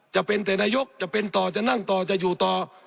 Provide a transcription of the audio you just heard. จะเป็นแต่นายกจะเป็นต่อจะนั่งต่อจะอยู่ต่อ